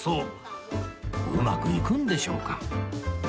うまくいくんでしょうか？